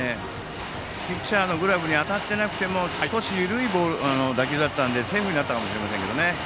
ピッチャーのグラブに当たっていなくても少し緩い打球だったのでセーフになったのかもしれないですけどね。